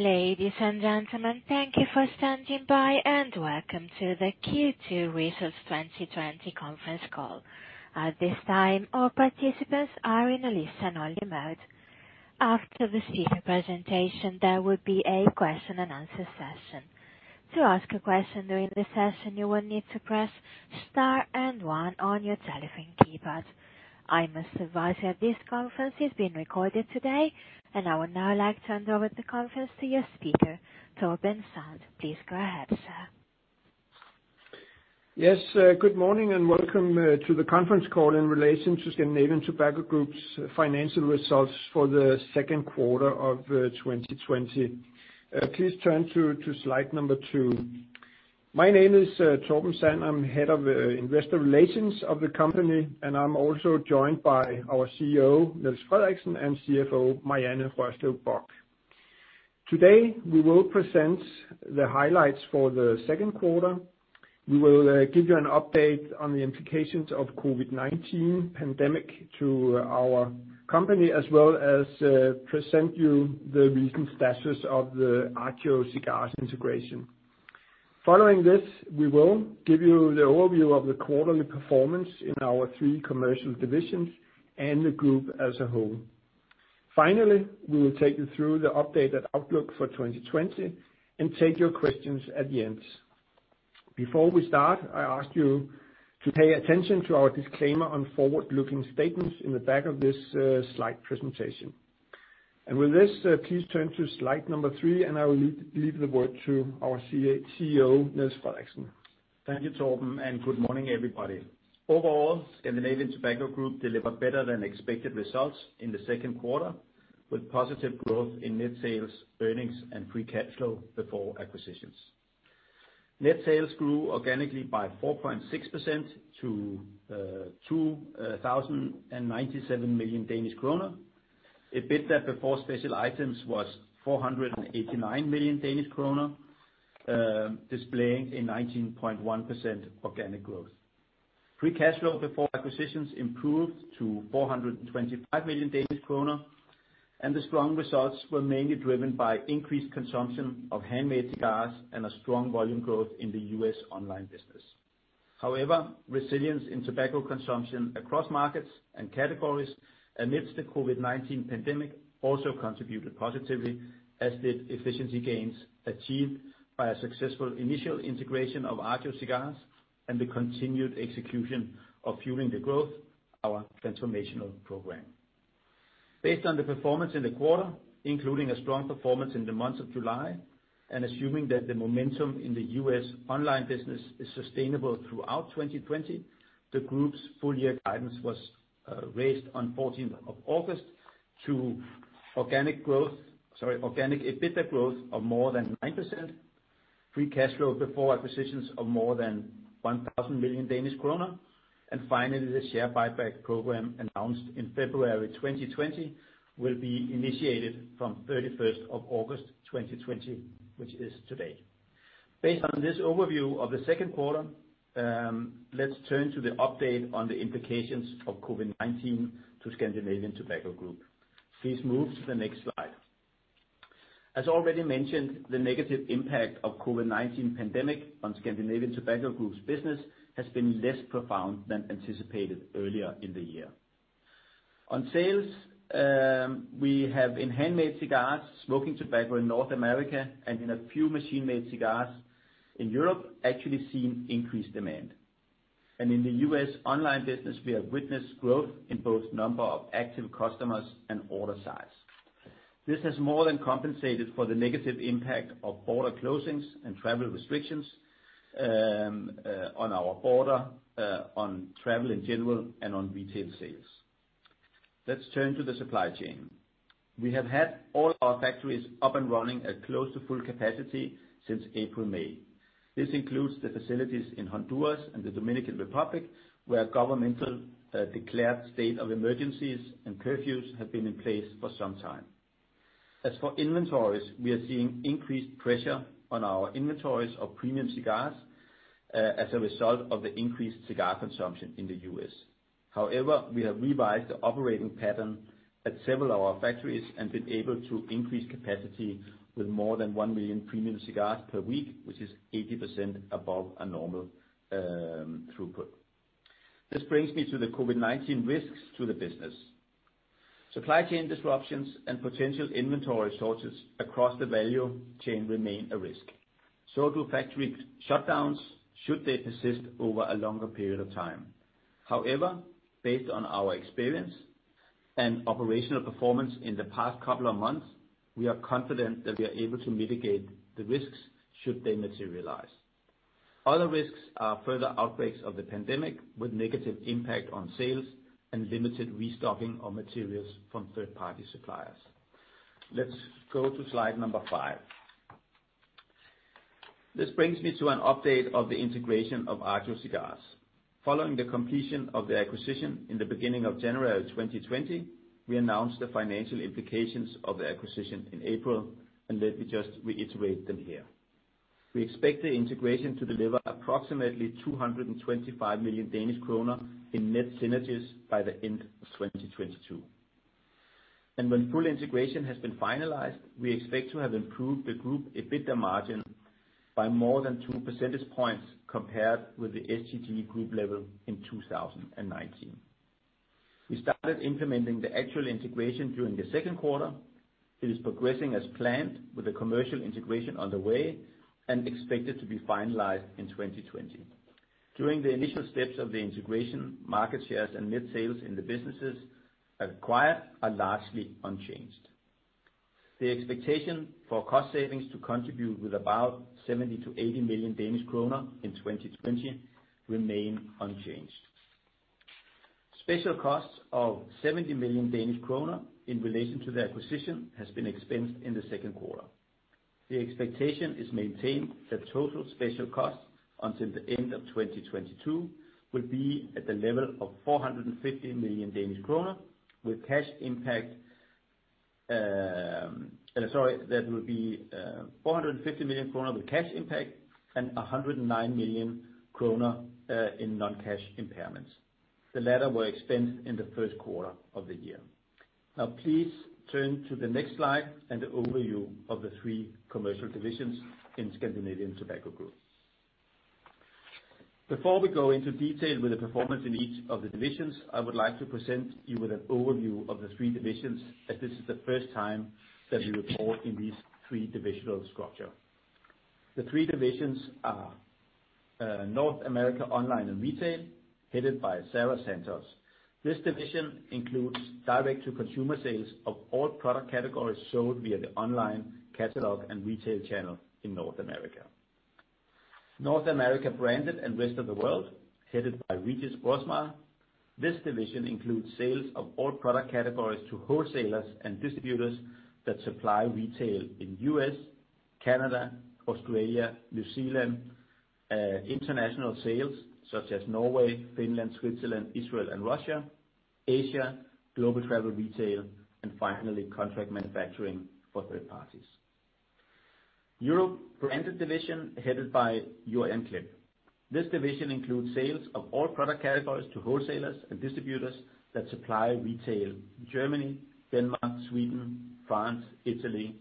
Ladies and gentlemen, thank you for standing by, welcome to the Q2 Results 2020 Conference Call. At this time, all participants are in a listen-only mode. After the speaker presentation, there will be a question and answer session. To ask a question during the session, you will need to press star and one on your telephone keypad. I must advise you that this conference is being recorded today, I would now like to hand over the conference to your speaker, Torben Sand. Please go ahead, sir. Yes. Good morning, welcome to the conference call in relation to Scandinavian Tobacco Group's financial results for the second quarter of 2020. Please turn to slide number two. My name is Torben Sand. I am head of investor relations of the company, I am also joined by our CEO, Niels Frederiksen, and CFO, Marianne Rørslev Bock. Today, we will present the highlights for the second quarter. We will give you an update on the implications of COVID-19 pandemic to our company, as well as present you the recent status of the Agio Cigars integration. Following this, we will give you the overview of the quarterly performance in our three commercial divisions and the group as a whole. Finally, we will take you through the updated outlook for 2020 and take your questions at the end. Before we start, I ask you to pay attention to our disclaimer on forward-looking statements in the back of this slide presentation. With this, please turn to slide number three, I will leave the word to our CEO, Niels Frederiksen. Thank you, Torben, good morning, everybody. Overall, Scandinavian Tobacco Group delivered better than expected results in the second quarter, with positive growth in net sales, earnings, and free cash flow before acquisitions. Net sales grew organically by 4.6% to 2,097 million Danish kroner. EBITDA before special items was 489 million Danish kroner, displaying a 19.1% organic growth. Free cash flow before acquisitions improved to 425 million Danish kroner, the strong results were mainly driven by increased consumption of handmade cigars and a strong volume growth in the U.S. online business. However, resilience in tobacco consumption across markets and categories amidst the COVID-19 pandemic also contributed positively, as did efficiency gains achieved by a successful initial integration of Agio Cigars and the continued execution of Fueling the Growth, our transformational program. Based on the performance in the quarter, including a strong performance in the month of July, and assuming that the momentum in the U.S. online business is sustainable throughout 2020, the group's full year guidance was raised on 14th of August to organic growth, sorry, organic EBITDA growth of more than 9%, free cash flow before acquisitions of more than 1,000 million Danish kroner, and finally, the share buyback program announced in February 2020 will be initiated from 31st of August 2020, which is today. Based on this overview of the second quarter, let's turn to the update on the implications of COVID-19 to Scandinavian Tobacco Group. Please move to the next slide. As already mentioned, the negative impact of COVID-19 pandemic on Scandinavian Tobacco Group's business has been less profound than anticipated earlier in the year. On sales, we have in handmade cigars, smoking tobacco in North America, and in a few machine-made cigars in Europe, actually seen increased demand. In the U.S. online business, we have witnessed growth in both number of active customers and order size. This has more than compensated for the negative impact of border closings and travel restrictions on our border, on travel in general, and on retail sales. Let's turn to the supply chain. We have had all our factories up and running at close to full capacity since April, May. This includes the facilities in Honduras and the Dominican Republic, where governmental declared state of emergencies and curfews have been in place for some time. As for inventories, we are seeing increased pressure on our inventories of premium cigars, as a result of the increased cigar consumption in the U.S. However, we have revised the operating pattern at several of our factories and been able to increase capacity with more than 1 million premium cigars per week, which is 80% above a normal throughput. This brings me to the COVID-19 risks to the business. Supply chain disruptions and potential inventory shortages across the value chain remain a risk. Factory shutdowns, should they persist over a longer period of time. However, based on our experience and operational performance in the past couple of months, we are confident that we are able to mitigate the risks should they materialize. Other risks are further outbreaks of the pandemic with negative impact on sales and limited restocking of materials from third-party suppliers. Let's go to slide number five. This brings me to an update of the integration of Agio Cigars. Following the completion of the acquisition in the beginning of January 2020, we announced the financial implications of the acquisition in April, let me just reiterate them here. We expect the integration to deliver approximately 225 million Danish kroner in net synergies by the end of 2022. When full integration has been finalized, we expect to have improved the group EBITDA margin by more than two percentage points compared with the STG group level in 2019. We started implementing the actual integration during the second quarter. It is progressing as planned, with the commercial integration underway and expected to be finalized in 2020. During the initial steps of the integration, market shares and net sales in the businesses acquired are largely unchanged. The expectation for cost savings to contribute with about 70 million-80 million Danish kroner in 2020 remain unchanged. Special costs of 70 million Danish kroner in relation to the acquisition has been expensed in the second quarter. The expectation is maintained that total special costs until the end of 2022 will be at the level of 450 million Danish krone, with cash impact. Sorry, that will be 450 million krone with cash impact and 109 million krone in non-cash impairments. The latter were expensed in the first quarter of the year. Please turn to the next slide and the overview of the three commercial divisions in Scandinavian Tobacco Group. Before we go into detail with the performance in each of the divisions, I would like to present you with an overview of the three divisions, as this is the first time that we report in these three divisional structure. The three divisions are North America Online & Retail, headed by Sarah Santos. This division includes direct-to-consumer sales of all product categories sold via the online catalog and retail channel in North America. North America Branded and Rest of World, headed by Régis Broersma. This division includes sales of all product categories to wholesalers and distributors that supply retail in U.S., Canada, Australia, New Zealand, international sales such as Norway, Finland, Switzerland, Israel, and Russia, Asia, global travel retail, and finally, contract manufacturing for third parties. Europe Branded, headed by Jurjan Klep. This division includes sales of all product categories to wholesalers and distributors that supply retail in Germany, Denmark, Sweden, France, Italy,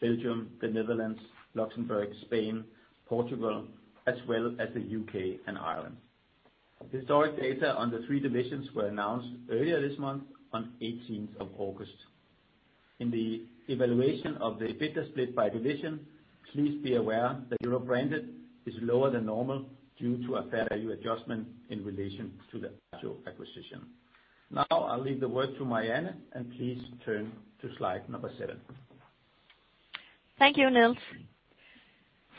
Belgium, Netherlands, Luxembourg, Spain, Portugal, as well as the U.K. and Ireland. Historic data on the three divisions were announced earlier this month on 18th of August. In the evaluation of the EBITDA split by division, please be aware that Europe Branded is lower than normal due to a fair value adjustment in relation to the actual acquisition. I'll leave the word to Marianne, and please turn to slide number seven. Thank you, Niels.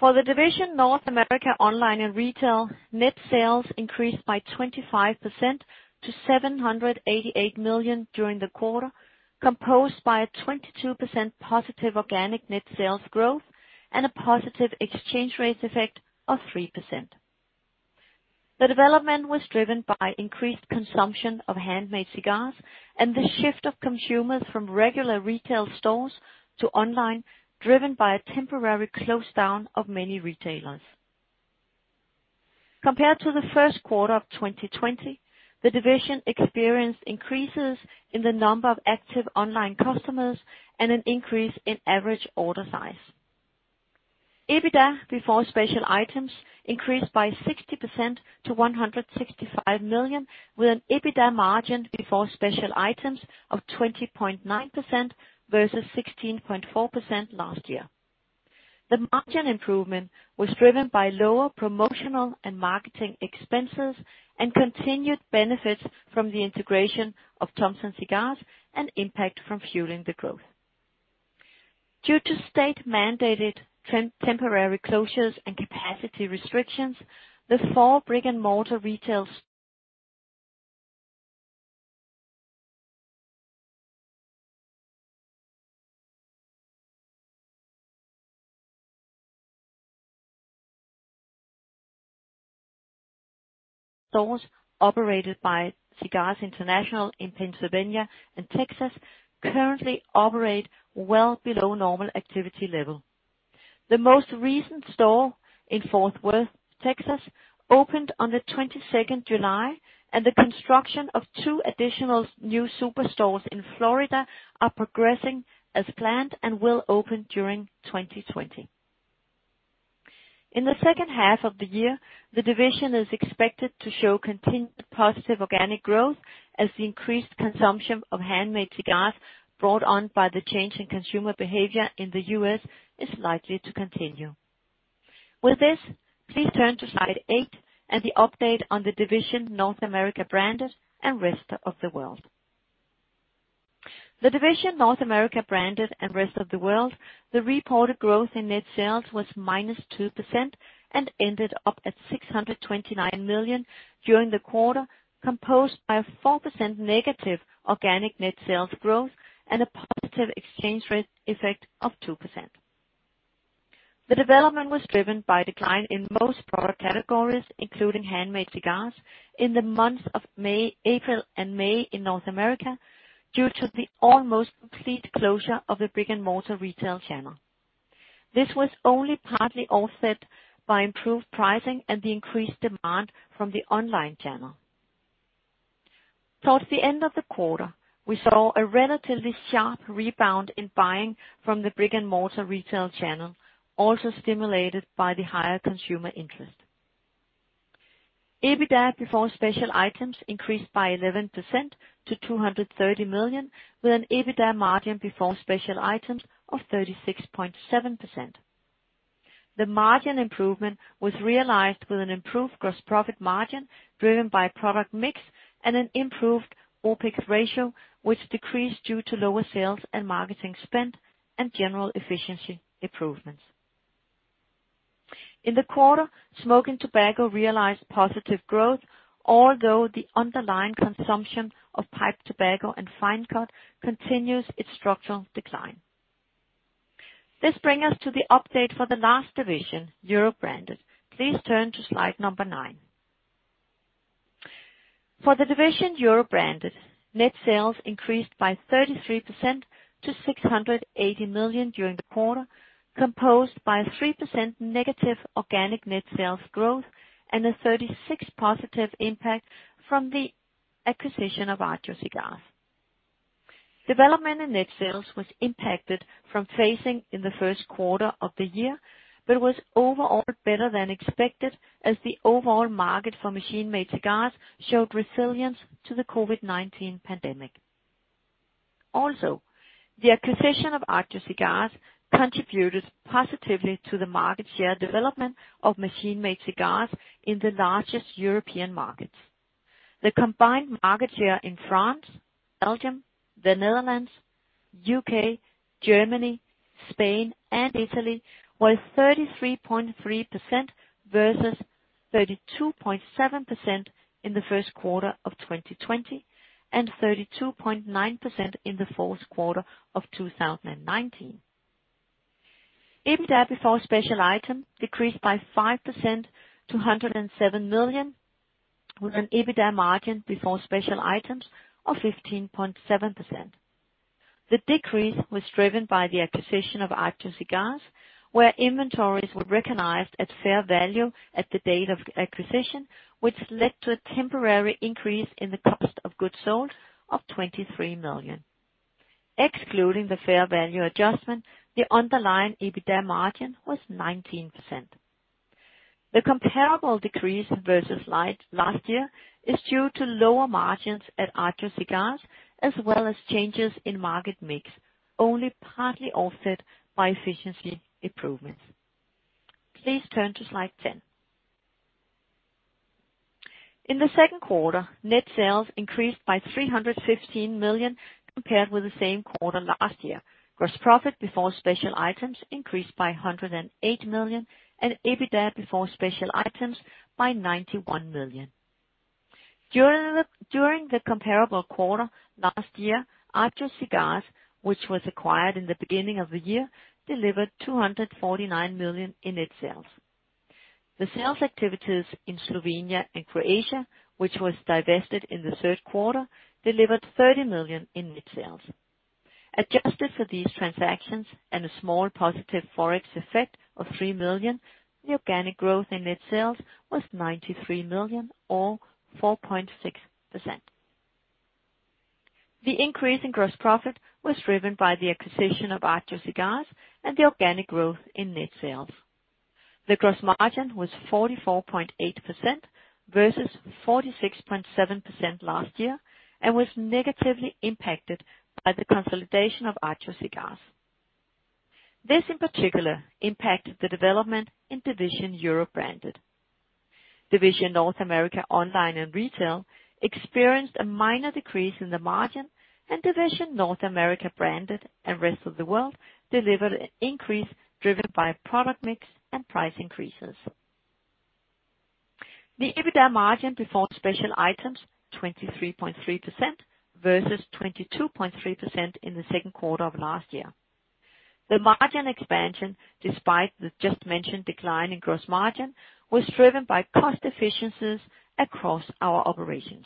For the division North America Online & Retail, net sales increased by 25% to 788 million during the quarter, composed by a 22% positive organic net sales growth and a positive exchange rates effect of 3%. The development was driven by increased consumption of handmade cigars and the shift of consumers from regular retail stores to online, driven by a temporary close down of many retailers. Compared to the first quarter of 2020, the division experienced increases in the number of active online customers and an increase in average order size. EBITDA before special items increased by 60% to 165 million, with an EBITDA margin before special items of 20.9% versus 16.4% last year. The margin improvement was driven by lower promotional and marketing expenses, and continued benefits from the integration of Thompson Cigar and impact from Fueling the Growth. Due to state-mandated temporary closures and capacity restrictions, the four brick-and-mortar retail stores operated by Cigars International in Pennsylvania and Texas currently operate well below normal activity level. The most recent store in Fort Worth, Texas, opened on the 22nd July, and the construction of two additional new superstores in Florida are progressing as planned and will open during 2020. In the second half of the year, the division is expected to show continued positive organic growth as the increased consumption of handmade cigars brought on by the change in consumer behavior in the U.S. is likely to continue. With this, please turn to slide eight and the update on the division North America Branded and Rest of the World. The division North America Branded and Rest of the World, the reported growth in net sales was minus 2% and ended up at 629 million during the quarter, composed by a 4% negative organic net sales growth and a positive exchange rate effect of 2%. The development was driven by decline in most product categories, including handmade cigars, in the months of April and May in North America due to the almost complete closure of the brick-and-mortar retail channel. This was only partly offset by improved pricing and the increased demand from the online channel. Towards the end of the quarter, we saw a relatively sharp rebound in buying from the brick-and-mortar retail channel, also stimulated by the higher consumer interest. EBITDA before special items increased by 11% to 230 million, with an EBITDA margin before special items of 36.7%. The margin improvement was realized with an improved gross profit margin driven by product mix and an improved OPEX ratio, which decreased due to lower sales and marketing spend and general efficiency improvements. In the quarter, smoking tobacco realized positive growth, although the underlying consumption of pipe tobacco and fine-cut tobacco continues its structural decline. This brings us to the update for the last division, Europe Branded. Please turn to slide number nine. For the division Europe Branded, net sales increased by 33% to 680 million during the quarter, composed by 3% negative organic net sales growth and a 36% positive impact from the acquisition of Agio Cigars. Development in net sales was impacted from phasing in the first quarter of the year, but was overall better than expected, as the overall market for machine-made cigars showed resilience to the COVID-19 pandemic. Also, the acquisition of Agio Cigars contributed positively to the market share development of machine-made cigars in the largest European markets. The combined market share in France, Belgium, the Netherlands, U.K., Germany, Spain, and Italy was 33.3% versus 32.7% in the first quarter of 2020 and 32.9% in the fourth quarter of 2019. EBITDA before special items decreased by 5% to 107 million, with an EBITDA margin before special items of 15.7%. The decrease was driven by the acquisition of Agio Cigars, where inventories were recognized at fair value at the date of acquisition, which led to a temporary increase in the cost of goods sold of 23 million. Excluding the fair value adjustment, the underlying EBITDA margin was 19%. The comparable decrease versus last year is due to lower margins at Agio Cigars, as well as changes in market mix, only partly offset by efficiency improvements. Please turn to slide 10. In the second quarter, net sales increased by 315 million compared with the same quarter last year. Gross profit before special items increased by 108 million and EBITDA before special items by 91 million. During the comparable quarter last year, Agio Cigars, which was acquired in the beginning of the year, delivered 249 million in net sales. The sales activities in Slovenia and Croatia, which was divested in the third quarter, delivered 30 million in net sales. Adjusted for these transactions and a small positive Forex effect of 3 million, the organic growth in net sales was 93 million or 4.6%. The increase in gross profit was driven by the acquisition of Agio Cigars and the organic growth in net sales. The gross margin was 44.8% versus 46.7% last year and was negatively impacted by the consolidation of Agio Cigars. This in particular impacted the development in division Europe Branded. Division North America Online & Retail experienced a minor decrease in the margin and division North America Branded and Rest of the World delivered an increase driven by product mix and price increases. The EBITDA margin before special items 23.3% versus 22.3% in the second quarter of last year. The margin expansion, despite the just mentioned decline in gross margin, was driven by cost efficiencies across our operations.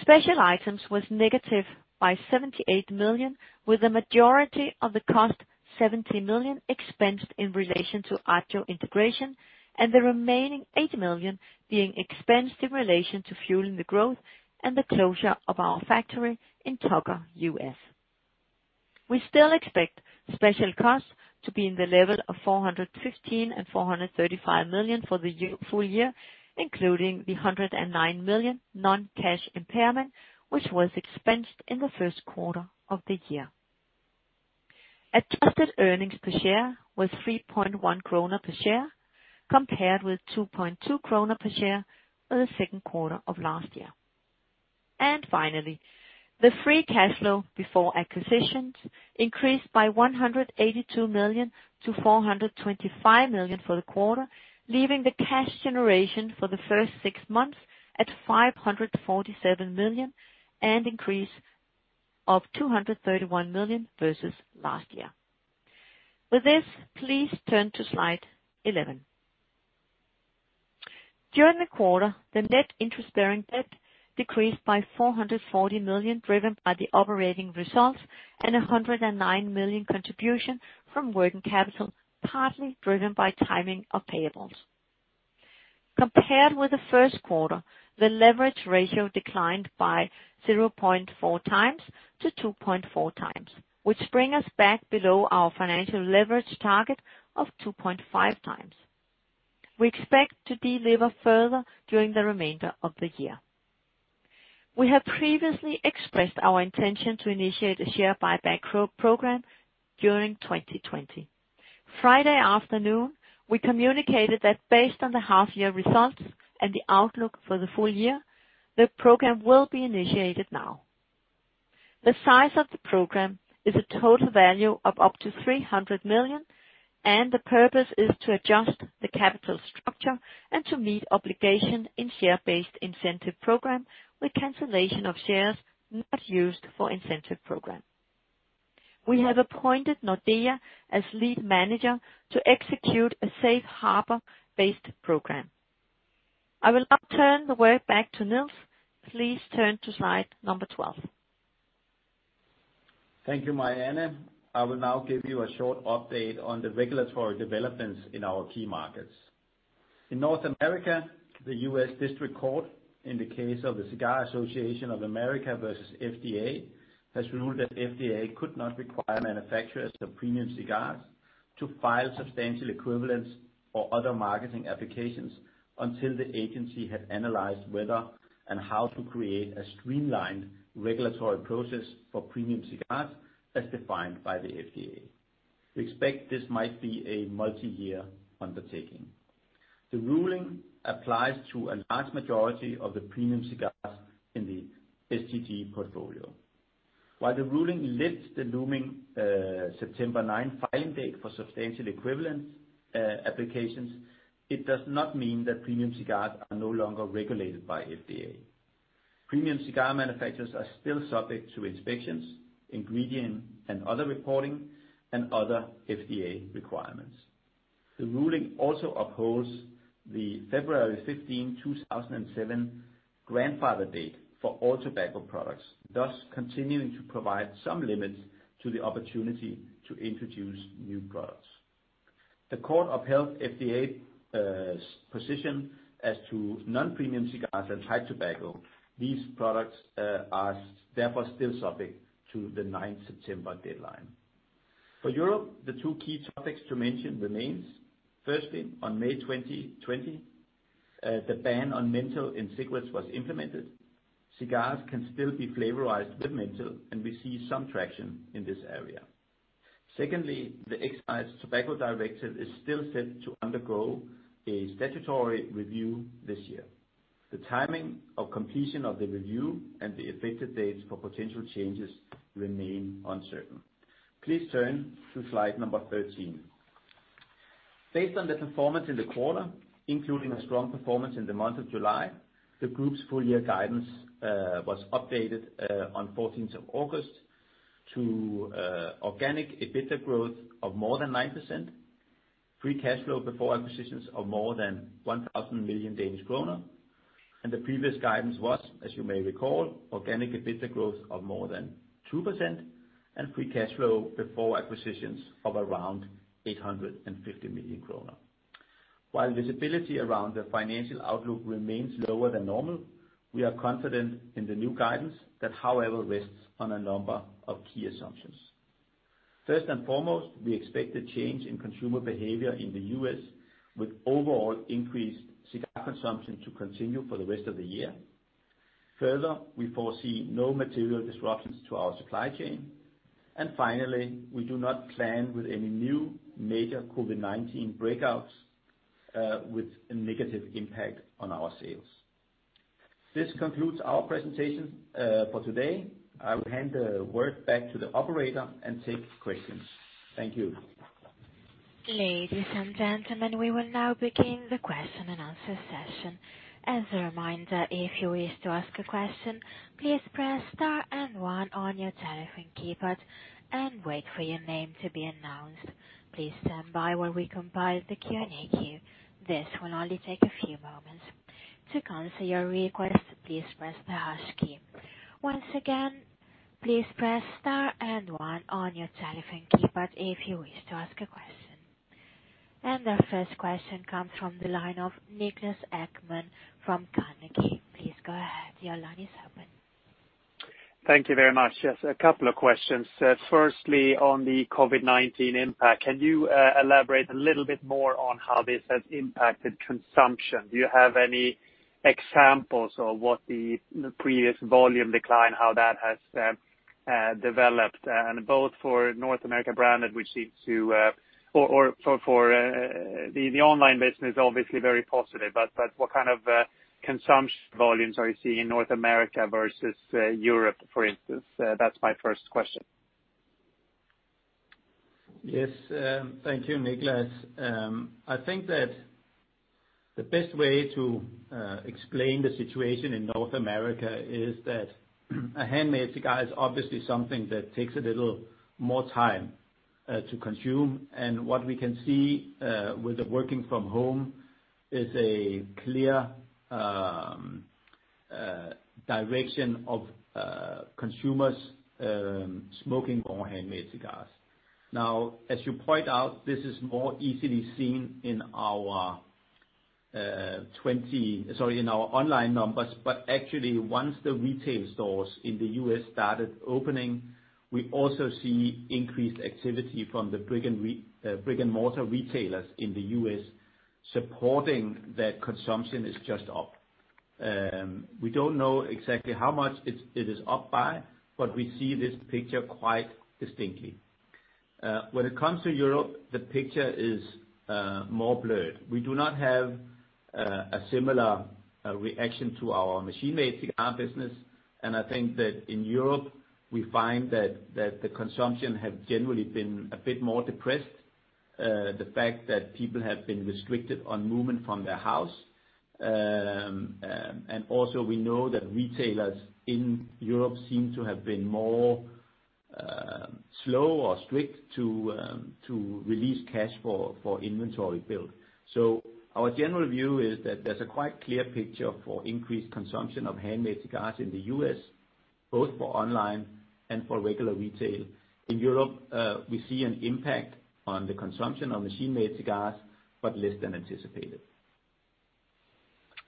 Special items was negative by 78 million, with the majority of the cost, 70 million, expensed in relation to Agio integration and the remaining 80 million being expensed in relation to Fueling the Growth and the closure of our factory in Tucker, U.S. We still expect special costs to be in the level of 415 million-435 million for the full year, including the 109 million non-cash impairment, which was expensed in the first quarter of the year. Adjusted earnings per share was 3.1 kroner per share, compared with 2.2 kroner per share for the second quarter of last year. Finally, the free cash flow before acquisitions increased by 182 million to 425 million for the quarter, leaving the cash generation for the first six months at 547 million, an increase of 231 million versus last year. With this, please turn to slide 11. During the quarter, the net interest-bearing debt decreased by 440 million, driven by the operating results, and 109 million contribution from working capital, partly driven by timing of payables. Compared with the first quarter, the leverage ratio declined by 0.4 times to 2.4 times, which bring us back below our financial leverage target of 2.5 times. We expect to deliver further during the remainder of the year. We have previously expressed our intention to initiate a share buyback program during 2020. Friday afternoon, we communicated that based on the half year results and the outlook for the full year, the program will be initiated now. The size of the program is a total value of up to 300 million, and the purpose is to adjust the capital structure and to meet obligation in share-based incentive program with cancellation of shares not used for incentive program. We have appointed Nordea as lead manager to execute a safe harbor-based program. I will now turn the work back to Nils. Please turn to slide number 12. Thank you, Marianne. I will now give you a short update on the regulatory developments in our key markets. In North America, the U.S. District Court, in the case of the Cigar Association of America versus FDA, has ruled that FDA could not require manufacturers of premium cigars to file substantial equivalence or other marketing applications until the agency had analyzed whether and how to create a streamlined regulatory process for premium cigars as defined by the FDA. We expect this might be a multi-year undertaking. The ruling applies to a large majority of the premium cigars in the STG portfolio. While the ruling lifts the looming, September 9 filing date for substantial equivalence applications, it does not mean that premium cigars are no longer regulated by FDA. Premium cigar manufacturers are still subject to inspections, ingredient and other reporting, and other FDA requirements. The ruling also upholds the February 15, 2007, grandfather date for all tobacco products, thus continuing to provide some limits to the opportunity to introduce new products. The Court upheld FDA's position as to non-premium cigars and fine-cut tobacco. These products are therefore still subject to the ninth September deadline. For Europe, the two key topics to mention remains firstly, on May 2020, the ban on menthol in cigarettes was implemented. Cigars can still be flavorized with menthol, and we see some traction in this area. Secondly, the Tobacco Excise Directive is still set to undergo a statutory review this year. The timing of completion of the review and the effective dates for potential changes remain uncertain. Please turn to slide number 13. Based on the performance in the quarter, including a strong performance in the month of July, the group's full year guidance was updated on 14th of August to organic EBITDA growth of more than 9%, free cash flow before acquisitions of more than 1,000 million Danish kroner, and the previous guidance was, as you may recall, organic EBITDA growth of more than 2% and free cash flow before acquisitions of around 850 million kroner. While visibility around the financial outlook remains lower than normal, we are confident in the new guidance that, however, rests on a number of key assumptions. First and foremost, we expect the change in consumer behavior in the U.S. with overall increased cigar consumption to continue for the rest of the year. Further, we foresee no material disruptions to our supply chain. Finally, we do not plan with any new major COVID-19 breakouts with a negative impact on our sales. This concludes our presentation for today. I will hand the work back to the operator and take questions. Thank you. Ladies and gentlemen, we will now begin the question and answer session. As a reminder, if you wish to ask a question, please press star and one on your telephone keypad and wait for your name to be announced. Please stand by while we compile the Q&A queue. This will only take a few moments. To cancel your request, please press the hash key. Once again, please press star and one on your telephone keypad if you wish to ask a question. Our first question comes from the line of Niklas Ekman from Carnegie. Please go ahead. Your line is open. Thank you very much. Yes, a couple of questions. Firstly, on the COVID-19 impact, can you elaborate a little bit more on how this has impacted consumption? Do you have any examples of what the previous volume decline, how that has developed, and both for North America Branded or for the online business, obviously very positive, but what kind of consumption volumes are you seeing in North America versus Europe, for instance? That's my first question. Yes. Thank you, Niklas. I think that the best way to explain the situation in North America is that a Handmade Cigar is obviously something that takes a little more time to consume. What we can see with the working from home is a clear direction of consumers smoking more Handmade Cigars. Now, as you point out, this is more easily seen in our online numbers, but actually once the retail stores in the U.S. started opening, we also see increased activity from the brick-and-mortar retailers in the U.S. supporting that consumption is just up. We don't know exactly how much it is up by, but we see this picture quite distinctly. When it comes to Europe, the picture is more blurred. We do not have a similar reaction to our Machine-Made Cigar business. I think that in Europe we find that the consumption has generally been a bit more depressed, the fact that people have been restricted on movement from their house. Also we know that retailers in Europe seem to have been more slow or strict to release cash for inventory build. Our general view is that there's a quite clear picture for increased consumption of Handmade Cigars in the U.S., both for online and for regular retail. In Europe, we see an impact on the consumption of Machine-Made Cigars, but less than anticipated.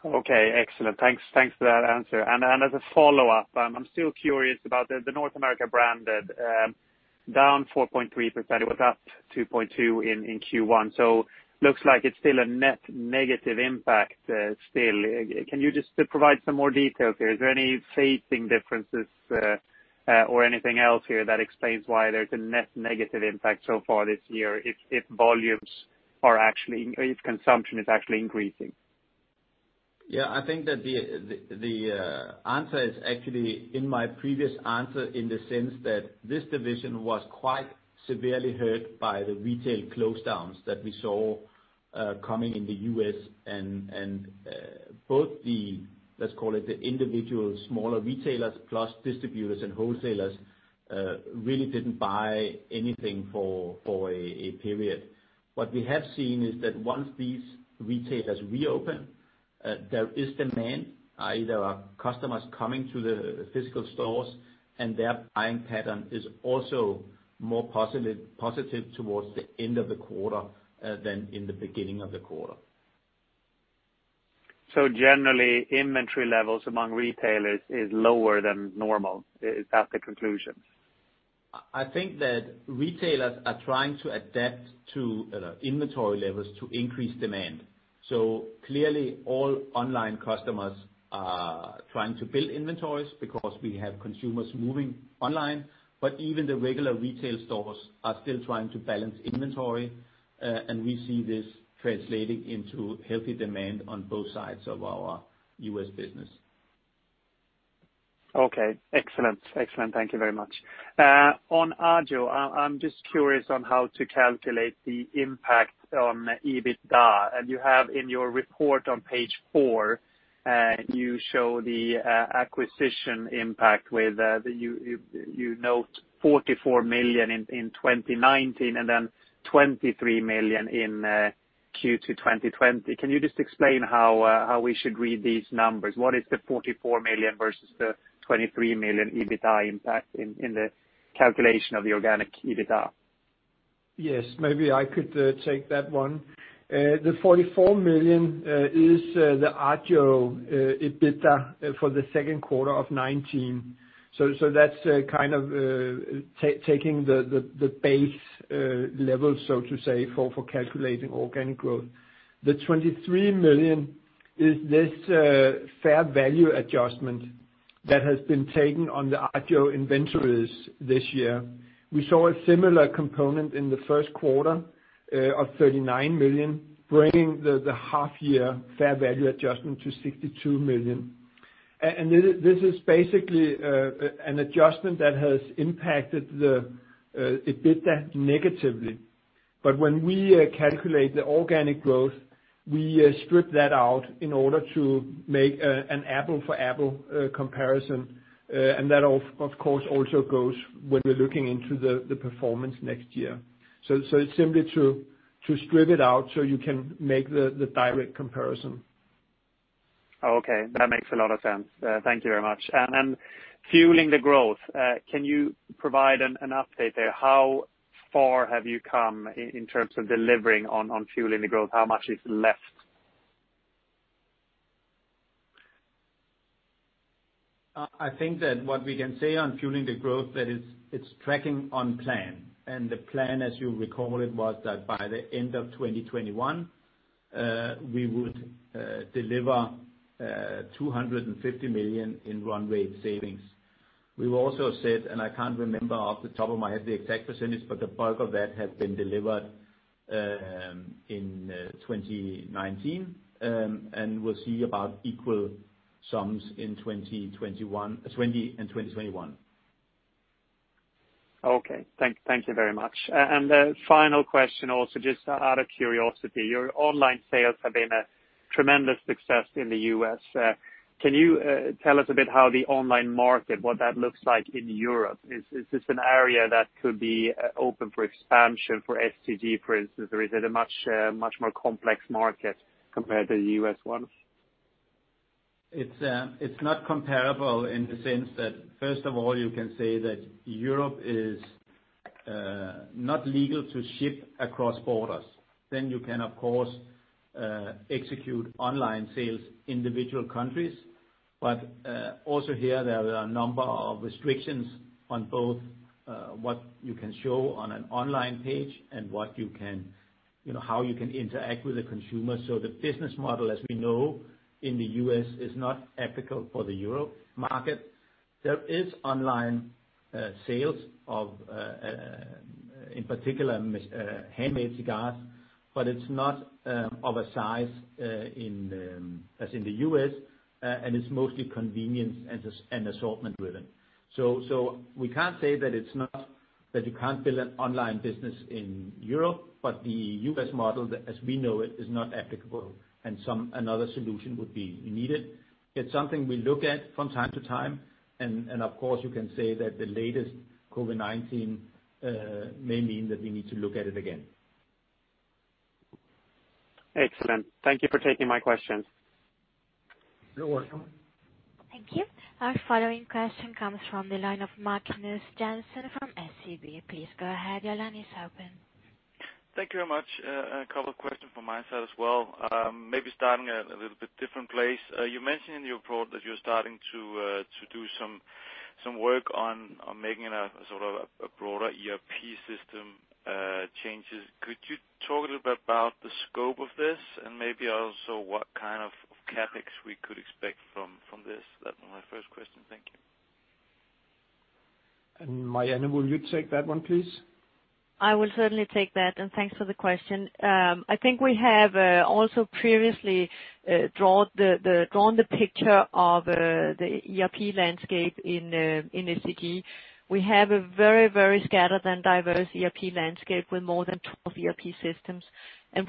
Okay, excellent. Thanks for that answer. As a follow-up, I'm still curious about the North America Branded, down 4.3%, it was up 2.2% in Q1. Looks like it's still a net negative impact still. Can you just provide some more detail there? Is there any phasing differences or anything else here that explains why there's a net negative impact so far this year, if consumption is actually increasing? I think that the answer is actually in my previous answer in the sense that this division was quite severely hurt by the retail closedowns that we saw coming in the U.S. and both the, let's call it, the individual smaller retailers plus distributors and wholesalers, really didn't buy anything for a period. We have seen is that once these retailers reopen, there is demand, either customers coming to the physical stores and their buying pattern is also more positive towards the end of the quarter than in the beginning of the quarter. Generally, inventory levels among retailers is lower than normal. Is that the conclusion? I think that retailers are trying to adapt to inventory levels to increase demand. Clearly all online customers are trying to build inventories because we have consumers moving online, but even the regular retail stores are still trying to balance inventory, and we see this translating into healthy demand on both sides of our U.S. business. Okay. Excellent. Thank you very much. On Agio Cigars, I'm just curious on how to calculate the impact on EBITDA. You have in your report on page four, you show the acquisition impact where you note 44 million in 2019 and then 23 million in Q2 2020. Can you just explain how we should read these numbers? What is the 44 million versus the 23 million EBITDA impact in the calculation of the organic EBITDA? Yes, maybe I could take that one. The 44 million is the Agio Cigars EBITDA for the second quarter of 2019. That's kind of taking the base level, so to say, for calculating organic growth. The 23 million is this fair value adjustment that has been taken on the Agio Cigars inventories this year. We saw a similar component in the first quarter of 39 million, bringing the half year fair value adjustment to 62 million. This is basically an adjustment that has impacted the EBITDA negatively. When we calculate the organic growth, we strip that out in order to make an apple-for-apple comparison. That of course also goes when we're looking into the performance next year. It's simply to strip it out so you can make the direct comparison. Okay. That makes a lot of sense. Thank you very much. Fueling the Growth, can you provide an update there? How far have you come in terms of delivering on Fueling the Growth? How much is left? I think that what we can say on Fueling the Growth that it's tracking on plan. The plan, as you recall it, was that by the end of 2021, we would deliver 250 million in runway savings. We've also said, I can't remember off the top of my head the exact percentage, the bulk of that has been delivered in 2019, we'll see about equal sums in 2020 and 2021. Okay. Thank you very much. The final question also, just out of curiosity, your online sales have been a tremendous success in the U.S. Can you tell us a bit how the online market, what that looks like in Europe? Is this an area that could be open for expansion for STG, for instance, or is it a much more complex market compared to the U.S. one? It's not comparable in the sense that, first of all, you can say that Europe is not legal to ship across borders. You can, of course, execute online sales individual countries. Also here, there are a number of restrictions on both what you can show on an online page and how you can interact with the consumer. The business model, as we know, in the U.S., is not applicable for the Europe market. There is online sales of, in particular, handmade cigars, but it's not of a size as in the U.S., and it's mostly convenience and assortment driven. We can't say that you can't build an online business in Europe, but the U.S. model, as we know it, is not applicable and another solution would be needed. It's something we look at from time to time, and of course, you can say that the latest COVID-19 may mean that we need to look at it again. Excellent. Thank you for taking my questions. You're welcome. Thank you. Our following question comes from the line of Magnus Jansen from SEB. Please go ahead. Your line is open. Thank you very much. A couple of questions from my side as well. Maybe starting at a little bit different place. You mentioned in your report that you're starting to do some work on making a broader ERP system changes. Could you talk a little bit about the scope of this, and maybe also what kind of CapEx we could expect from this? That was my first question. Thank you. Marianne, will you take that one, please? I will certainly take that, thanks for the question. I think we have also previously drawn the picture of the ERP landscape in STG. We have a very scattered and diverse ERP landscape with more than 12 ERP systems.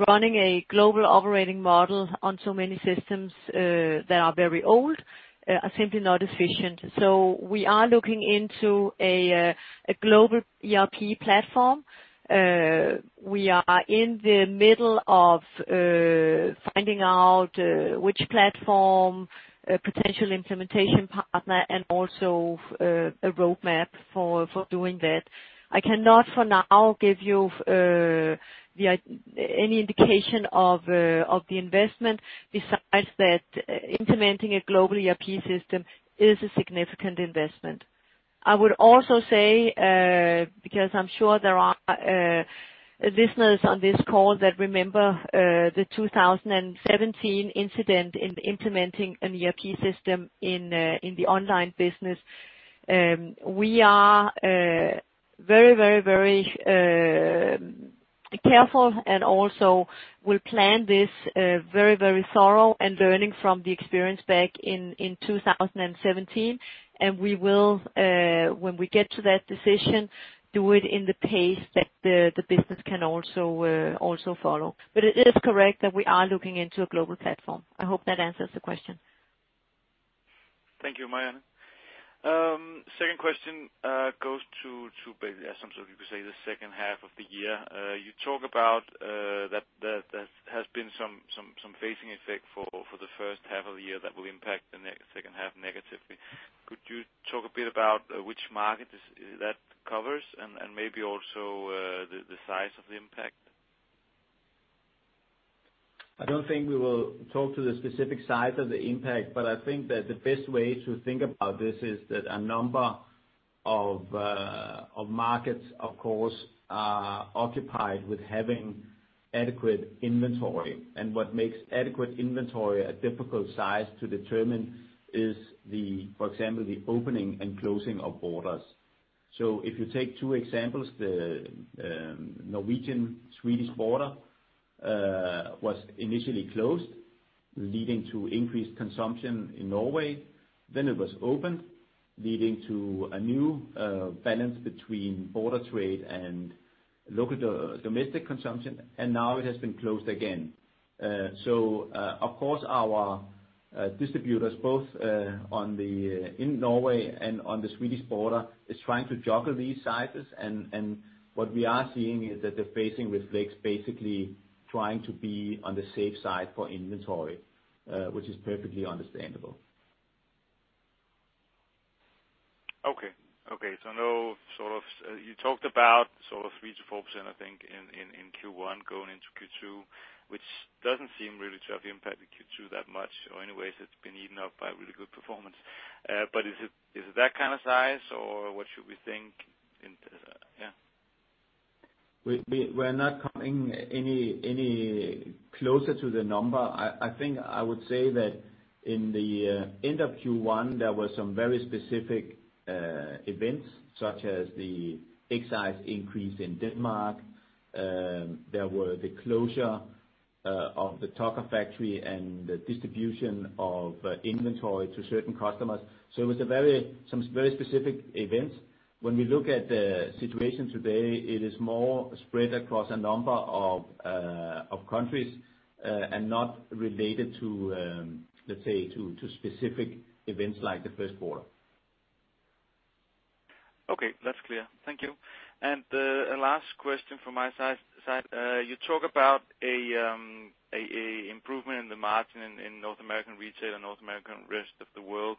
Running a global operating model on so many systems that are very old are simply not efficient. We are looking into a global ERP platform. We are in the middle of finding out which platform, a potential implementation partner, and also a roadmap for doing that. I cannot, for now, give you any indication of the investment besides that implementing a global ERP system is a significant investment. I would also say, because I'm sure there are listeners on this call that remember the 2017 incident in implementing an ERP system in the online business. We are very careful, and also will plan this very thorough and learning from the experience back in 2017. We will, when we get to that decision, do it in the pace that the business can also follow. It is correct that we are looking into a global platform. I hope that answers the question. Thank you, Marianne. Second question goes to basically, you could say, the second half of the year. You talk about that there has been some phasing effect for the first half of the year that will impact the second half negatively. Could you talk a bit about which market that covers and maybe also the size of the impact? I don't think we will talk to the specific size of the impact, but I think that the best way to think about this is that a number of markets, of course, are occupied with having adequate inventory. What makes adequate inventory a difficult size to determine is the, for example, the opening and closing of borders. If you take two examples, the Norwegian-Swedish border was initially closed, leading to increased consumption in Norway. It was opened, leading to a new balance between border trade and local domestic consumption, and now it has been closed again. Of course our distributors, both in Norway and on the Swedish border, is trying to juggle these sizes. What we are seeing is that the phasing reflects basically trying to be on the safe side for inventory, which is perfectly understandable. Okay. Now, you talked about 3%-4%, I think, in Q1 going into Q2, which doesn't seem really to have impacted Q2 that much, or anyways, it's been eaten up by really good performance. Is it that kind of size or what should we think? Yeah. We're not coming any closer to the number. I think I would say that in the end of Q1, there were some very specific events, such as the excise increase in Denmark. There were the closure of the Tucker factory and the distribution of inventory to certain customers. It was some very specific events. When we look at the situation today, it is more spread across a number of countries, and not related to, let's say, to specific events like the first quarter. Okay, that's clear. Thank you. A last question from my side. You talk about an improvement in the margin in North America Online & Retail and North America Branded and Rest of World,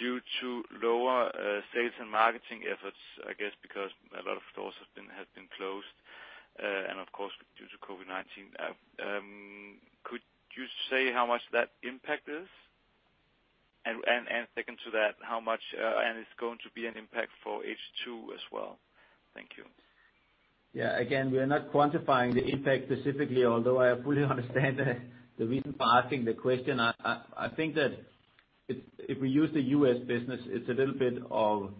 due to lower sales and marketing efforts, I guess because a lot of stores have been closed, and of course, due to COVID-19. Could you say how much that impact is? Second to that, how much and it's going to be an impact for H2 as well. Thank you. Yeah. Again, we are not quantifying the impact specifically, although I fully understand the reason for asking the question. I think that if we use the U.S. business, it's a little bit of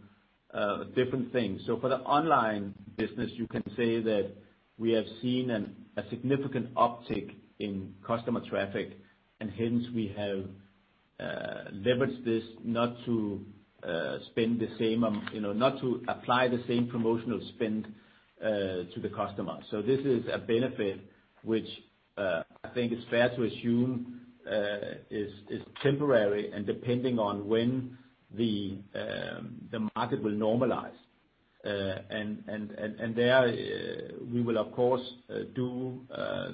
different things. For the online business, you can say that we have seen a significant uptick in customer traffic, and hence we have leveraged this not to apply the same promotional spend to the customer. This is a benefit which I think is fair to assume, is temporary and depending on when the market will normalize. There, we will of course do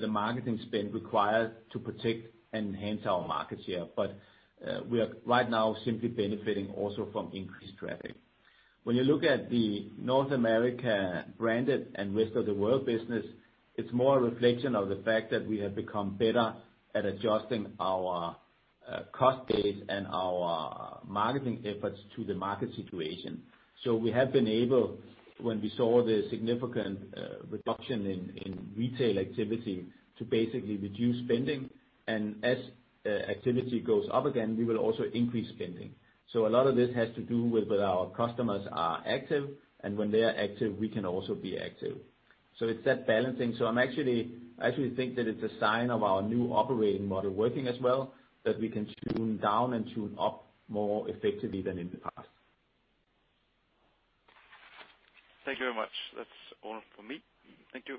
the marketing spend required to protect and enhance our market share. We are right now simply benefiting also from increased traffic. When you look at the North America Branded and Rest of World business, it's more a reflection of the fact that we have become better at adjusting our cost base and our marketing efforts to the market situation. We have been able, when we saw the significant reduction in retail activity, to basically reduce spending. As activity goes up again, we will also increase spending. A lot of this has to do with whether our customers are active, and when they are active, we can also be active. It's that balancing. I actually think that it's a sign of our new operating model working as well, that we can tune down and tune up more effectively than in the past. Thank you very much. That's all from me. Thank you.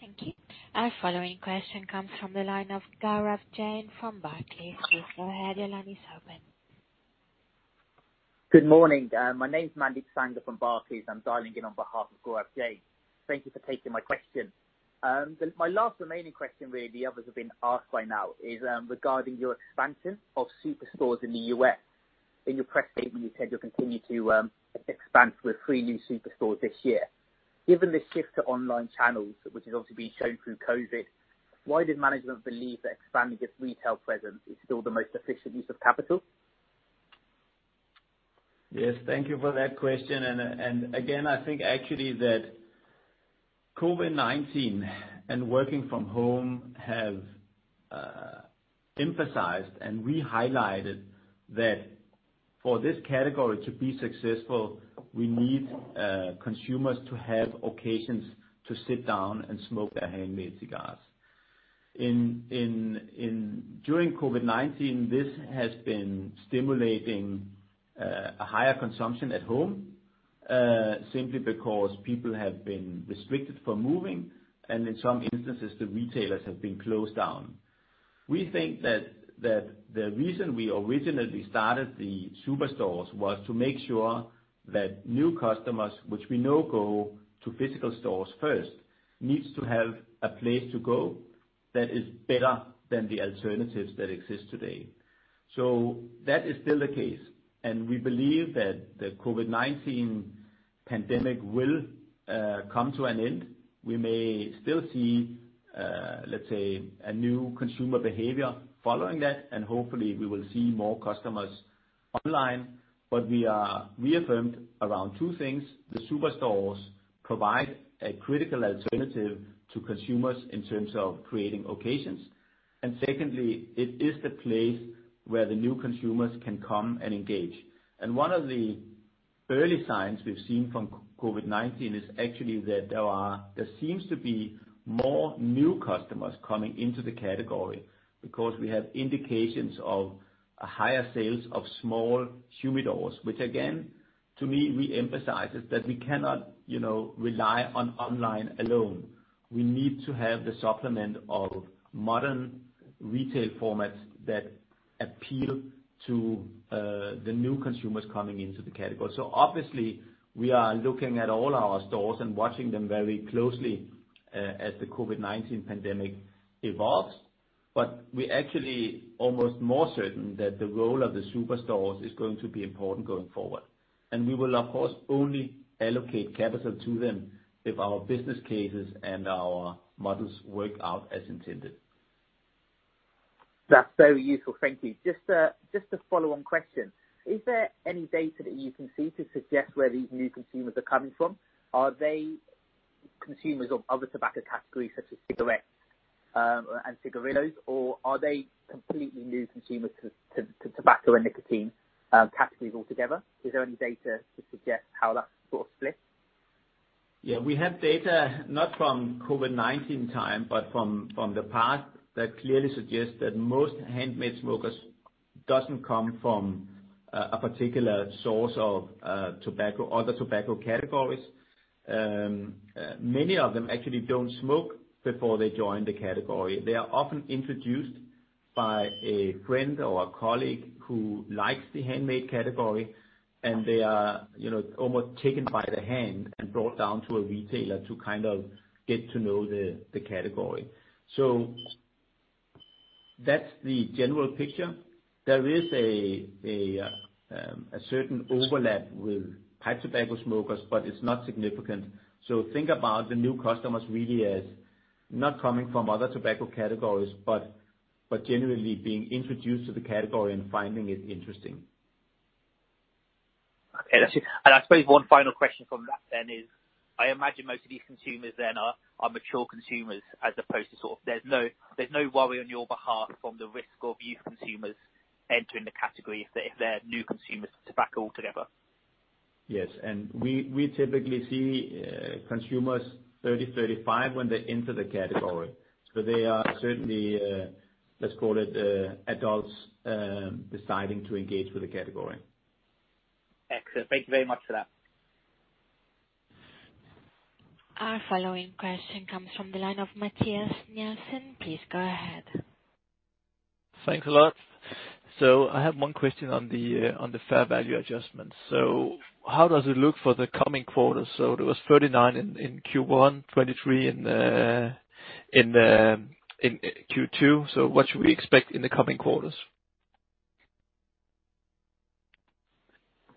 Thank you. Our following question comes from the line of Gaurav Jain from Barclays. Please go ahead. Your line is open. Good morning. My name is Manny Kisanga from Barclays. I'm dialing in on behalf of Gaurav Jain. Thank you for taking my question. My last remaining question really, others have been asked by now, is regarding your expansion of superstores in the U.S. In your press statement, you said you'll continue to expand with three new superstores this year. Given the shift to online channels, which has obviously been shown through COVID, why does management believe that expanding its retail presence is still the most efficient use of capital? Yes. Thank you for that question. Again, I think actually that COVID-19 and working from home have emphasized, and we highlighted that for this category to be successful, we need consumers to have occasions to sit down and smoke their handmade cigars. During COVID-19, this has been stimulating a higher consumption at home, simply because people have been restricted from moving, and in some instances, the retailers have been closed down. We think that the reason we originally started the superstores was to make sure that new customers, which we know go to physical stores first, needs to have a place to go that is better than the alternatives that exist today. That is still the case, we believe that the COVID-19 pandemic will come to an end. We may still see, let's say, a new consumer behavior following that, hopefully we will see more customers online. We are reaffirmed around two things. The superstores provide a critical alternative to consumers in terms of creating occasions. Secondly, it is the place where the new consumers can come and engage. One of the early signs we've seen from COVID-19 is actually that there seems to be more new customers coming into the category because we have indications of a higher sales of small humidors, which again, to me, re-emphasizes that we cannot rely on online alone. We need to have the supplement of modern retail formats that appeal to the new consumers coming into the category. Obviously we are looking at all our stores and watching them very closely as the COVID-19 pandemic evolves. We're actually almost more certain that the role of the superstores is going to be important going forward. We will, of course, only allocate capital to them if our business cases and our models work out as intended. That's very useful. Thank you. Just a follow on question. Is there any data that you can see to suggest where these new consumers are coming from? Are they consumers of other tobacco categories such as cigarettes, and cigarillos, or are they completely new consumers to tobacco and nicotine categories altogether? Is there any data to suggest how that sort of split? Yeah, we have data not from COVID-19 time, but from the past that clearly suggests that most handmade smokers doesn't come from a particular source of other tobacco categories. Many of them actually don't smoke before they join the category. They are often introduced by a friend or a colleague who likes the handmade category, and they are almost taken by the hand and brought down to a retailer to get to know the category. That's the general picture. There is a certain overlap with pipe tobacco smokers, but it's not significant. Think about the new customers really as not coming from other tobacco categories, but generally being introduced to the category and finding it interesting. Okay. I suppose one final question from that then is, I imagine most of these consumers then are mature consumers as opposed to sort of there's no worry on your behalf from the risk of youth consumers entering the category if they're new consumers to tobacco altogether. Yes. We typically see consumers 30, 35 when they enter the category. They are certainly, let's call it, adults deciding to engage with the category. Excellent. Thank you very much for that. Our following question comes from the line of Mathias Nielsen. Please go ahead. Thanks a lot. I have one question on the fair value adjustment. How does it look for the coming quarters? There was 39 in Q1, 23 in Q2. What should we expect in the coming quarters?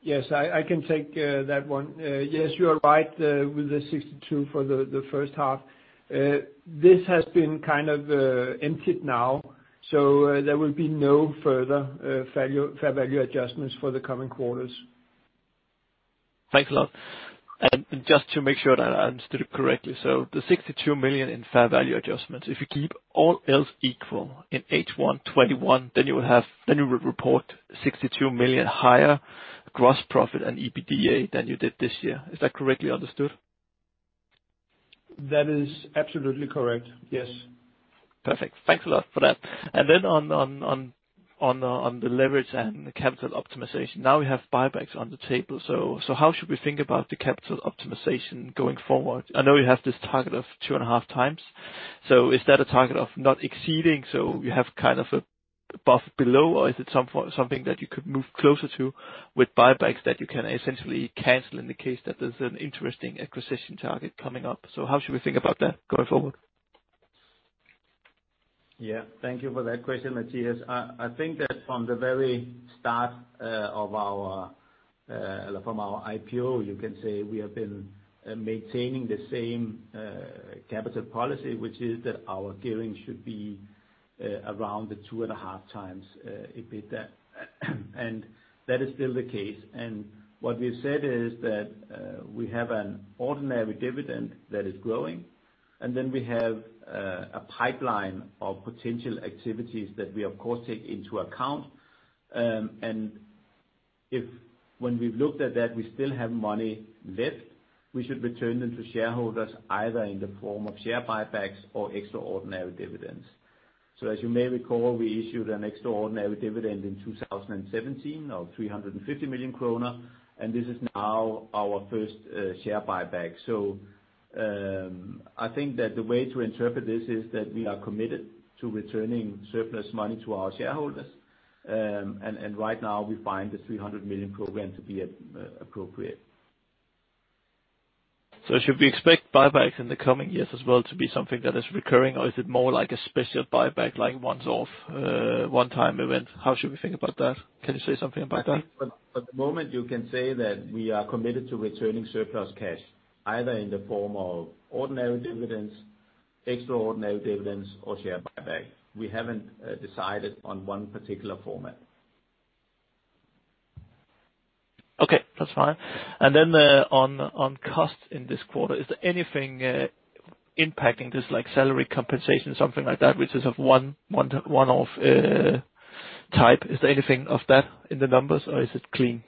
Yes, I can take that one. Yes, you are right with the 62 for the first half. This has been kind of, ended now. There will be no further fair value adjustments for the coming quarters. Thanks a lot. Just to make sure that I understood it correctly, the 62 million in fair value adjustments, if you keep all else equal in H1 2021, you will report 62 million higher gross profit and EBITDA than you did this year. Is that correctly understood? That is absolutely correct. Yes. Perfect. Thanks a lot for that. Then on the leverage and the capital optimization, now we have buybacks on the table. How should we think about the capital optimization going forward? I know you have this target of 2.5 times. Is that a target of not exceeding, you have kind of above, below, or is it something that you could move closer to with buybacks that you can essentially cancel in the case that there's an interesting acquisition target coming up? How should we think about that going forward? Thank you for that question, Mathias. I think that from the very start from our IPO, you can say we have been maintaining the same capital policy, which is that our gearing should be around the 2.5 times EBITDA. That is still the case. What we've said is that we have an ordinary dividend that is growing, then we have a pipeline of potential activities that we of course take into account. If when we've looked at that, we still have money left, we should return them to shareholders either in the form of share buybacks or extraordinary dividends. As you may recall, we issued an extraordinary dividend in 2017 of 350 million kroner, this is now our first share buyback. I think that the way to interpret this is that we are committed to returning surplus money to our shareholders. Right now we find the 300 million program to be appropriate. Should we expect buybacks in the coming years as well to be something that is recurring, or is it more like a special buyback, like once off, one time event? How should we think about that? Can you say something about that? At the moment, you can say that we are committed to returning surplus cash, either in the form of ordinary dividends, extraordinary dividends, or share buyback. We haven't decided on one particular format. Okay, that's fine. On cost in this quarter, is there anything impacting this, like salary compensation, something like that, which is of one-off type? Is there anything of that in the numbers or is it clean?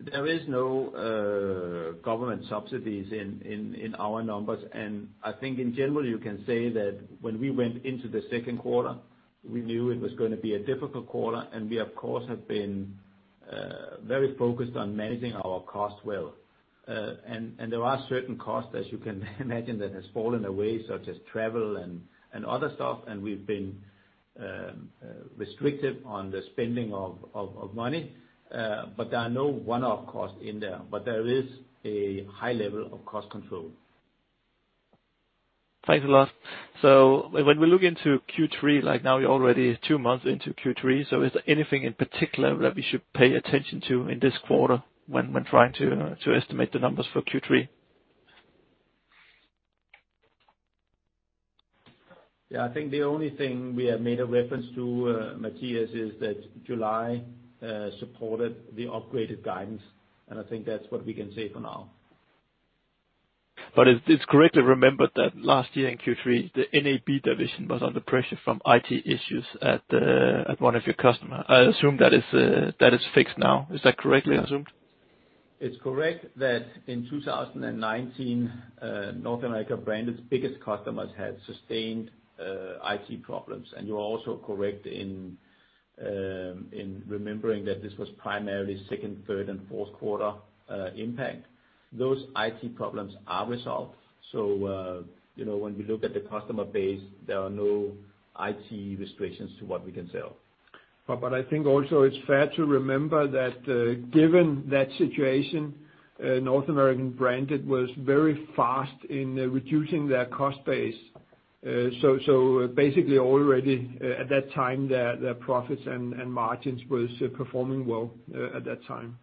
There is no government subsidies in our numbers. I think in general, you can say that when we went into the second quarter, we knew it was going to be a difficult quarter and we of course, have been very focused on managing our costs well. There are certain costs, as you can imagine, that has fallen away, such as travel and other stuff. We've been restrictive on the spending of money. There are no one-off costs in there. There is a high level of cost control. Thanks a lot. When we look into Q3, like now, you're already two months into Q3, is there anything in particular that we should pay attention to in this quarter when trying to estimate the numbers for Q3? Yeah, I think the only thing we have made a reference to, Mathias, is that July supported the upgraded guidance, and I think that's what we can say for now. It's correctly remembered that last year in Q3, the NAB division was under pressure from IT issues at one of your customer. I assume that is fixed now. Is that correctly assumed? It's correct that in 2019, North America Branded's biggest customers had sustained IT problems. You're also correct in remembering that this was primarily second, third, and fourth quarter impact. Those IT problems are resolved. When we look at the customer base, there are no IT restrictions to what we can sell. I think also it's fair to remember that given that situation, North America Branded was very fast in reducing their cost base. Basically already at that time, their profits and margins was performing well at that time.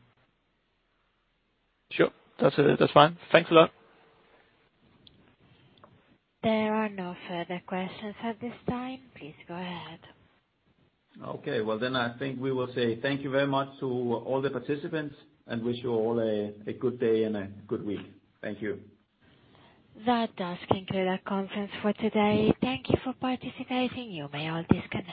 Sure. That's fine. Thanks a lot. There are no further questions at this time. Please go ahead. I think we will say thank you very much to all the participants and wish you all a good day and a good week. Thank you. That does conclude our conference for today. Thank you for participating. You may all disconnect.